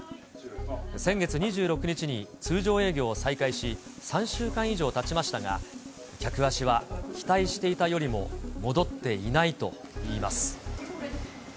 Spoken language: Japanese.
先月２６日に通常営業を再開し、３週間以上たちましたが、客足は期待していたよりも戻っていないといいます。